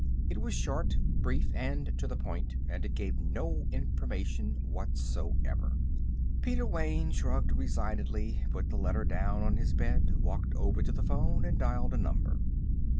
It was short, brief, and to the point. And it gave no information whatsoever. Peter Wayne shrugged resignedly, put the letter down on his bed, walked over to the phone, and dialed a number.